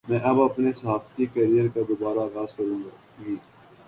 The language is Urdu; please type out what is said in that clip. میں اب اپنے صحافتی کیریئر کا دوبارہ آغاز کرونگی